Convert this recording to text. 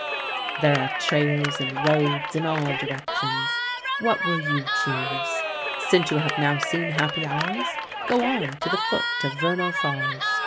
There are trails and roads in all directions. What will you choose? Since you have now seen Happy Isles, go on to the foot of Vernal Falls.